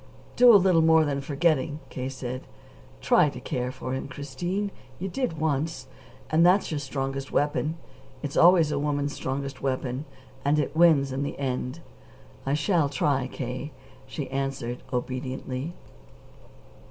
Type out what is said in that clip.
"Do a little more than forgetting," K. said. "Try to care for him, Christine. You did once. And that's your strongest weapon. It's always a woman's strongest weapon. And it wins in the end." "I shall try, K.," she answered obediently.